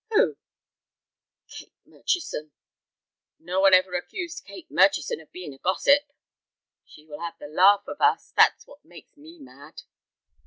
"Who?" "Kate Murchison." "No one ever accused Kate Murchison of being a gossip." "She will have the laugh of us, that is what makes me mad."